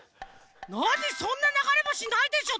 なにそんなながれぼしないでしょ！